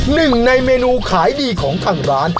หนึ่งในเมนูขายดีของทางร้าน